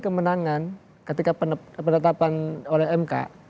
kemenangan ketika penetapan oleh mk